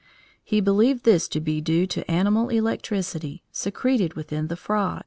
He believed this to be due to "animal electricity" secreted within the frog.